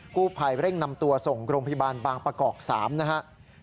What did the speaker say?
ผู้ภัยเร่งนำตัวส่งโรงพยาบาลบางประกอบ๓นะครับ